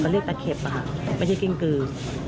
เรียกตะเข็บค่ะไม่ใช่กิ้งกือ